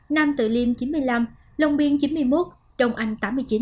nam tự liêm chín mươi năm long biên chín mươi một đông anh tám mươi chín